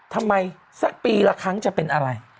สักปีละครั้งจะเป็นอะไร